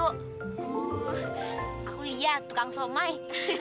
oh aku lia tukang somai